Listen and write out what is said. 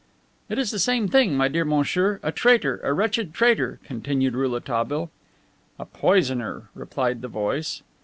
"It is the same thing, my dear monsieur. A traitor, a wretched traitor," continued Rouletabille. "A poisoner," replied the voice.